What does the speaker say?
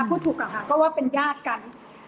พูดถูกค่ะก็ว่าเป็นยากกัน